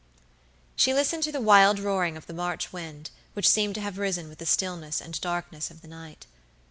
She listened to the wild roaring of the March wind, which seemed to have risen with the stillness and darkness of the night.